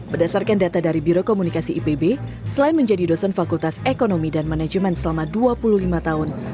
berdasarkan data dari biro komunikasi ipb selain menjadi dosen fakultas ekonomi dan manajemen selama dua puluh lima tahun